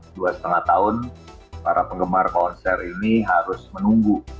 dua setengah tahun para penggemar konser ini harus menunggu